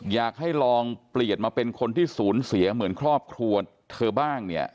อยากให้ลองเปลี่ยนมาเป็นคนที่สูญเสียเหมือนครอบครัวเธอบ้างเนี่ย